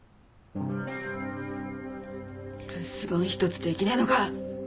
留守番一つできねえのか！